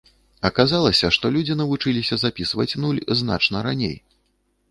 Аказалася, што людзі навучыліся запісваць нуль значна раней.